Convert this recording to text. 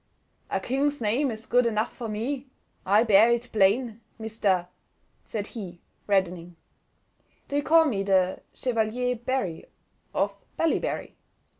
"A King's name is good enough for me; I bear it plain. Mr. —?" said he, reddening. "They call me the Chevalier Barry, of Ballybarry."